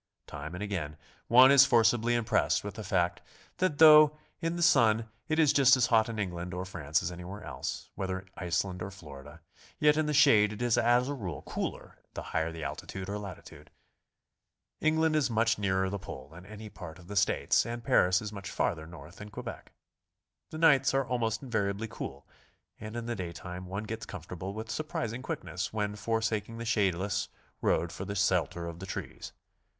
Time and again one is forcibly impressed with the fact that though in the sun it is just as hot in England or France as anywhere else, — whether Iceland or Florida, — yet in the shade it is as a rule cooler the higher the altitude or latitude. England is much nearer the pole than any part of the States, and Paris is much farther north than Quebec. The nights are almost invariably cool, and in the day time one gets comfortable with surprising quickness when for saking the shadeless road for the shelter of the trees.